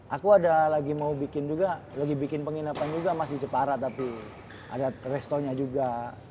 aku ada lagi mau bikin juga lagi bikin penginapan juga masih jepara tapi ada restorannya juga